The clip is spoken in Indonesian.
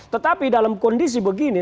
tetapi dalam kondisi begini